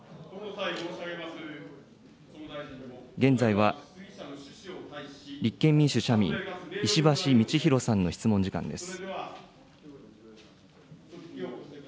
現在は、立憲民主・社民、石橋通宏さんの質問時間です。